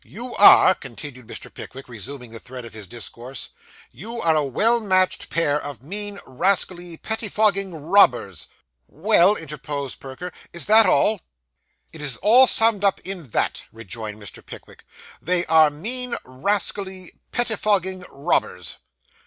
'You are,' continued Mr. Pickwick, resuming the thread of his discourse 'you are a well matched pair of mean, rascally, pettifogging robbers.' 'Well,' interposed Perker, 'is that all?' 'It is all summed up in that,' rejoined Mr. Pickwick; 'they are mean, rascally, pettifogging robbers.